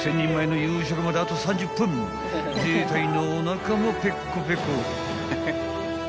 ［自衛隊員のおなかもペッコペコ］